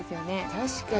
確かに。